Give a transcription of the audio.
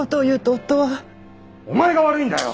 お前が悪いんだよ！